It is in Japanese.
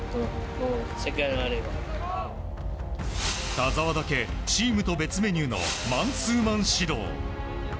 田澤だけチームと別メニューのマンツーマン指導。